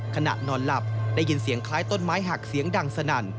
ขณะนอนหลับได้ยินเสียงคล้ายต้นไม้หักเสียงดังสนั่น